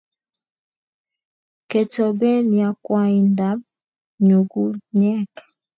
Ketoben yakwaindab nyukunyek